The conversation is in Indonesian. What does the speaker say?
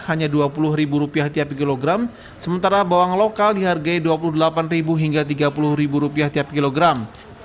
hanya dua puluh ribu rupiah tiap kilogram sementara bawang lokal dihargai dua puluh delapan ribu hingga tiga puluh ribu rupiah tiap kilogram